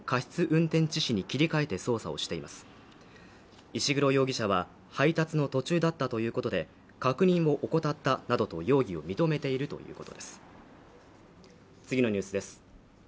運転致死に切り替えて捜査をしています石黒容疑者は配達の途中だったということで確認を怠ったなどと容疑を認めているということです